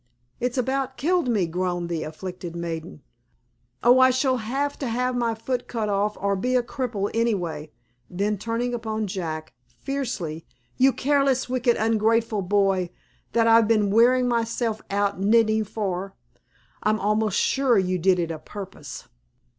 "It's about killed me," groaned the afflicted maiden. "Oh, I shall have to have my foot cut off, or be a cripple anyway." Then turning upon Jack, fiercely, "you careless, wicked, ungrateful boy, that I've been wearin' myself out knittin' for. I'm almost sure you did it a purpose.